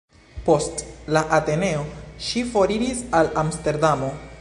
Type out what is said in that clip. Post la Ateneo ŝi foriris al Amsterdamo.